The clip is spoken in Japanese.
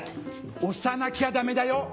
押さなきゃダメだよ！